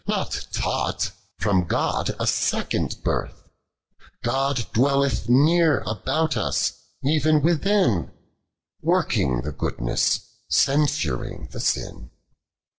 not taught ; from God a second birth : tidd dwellt'tli necr aboat us, even within, Working the goodness, censoring the an.